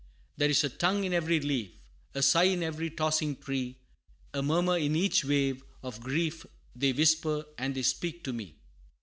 There is a tongue in every leaf, A sigh in every tossing tree A murmur in each wave; of grief They whisper, and they speak to me.